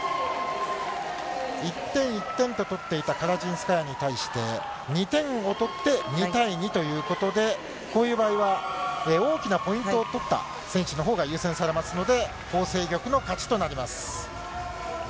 １点、１点と取っていたカラジンスカヤに対して、２点を取って２対２ということで、こういう場合は、大きなポイントを取った選手のほうが優先されますので、ホウ倩玉の勝ちとなります。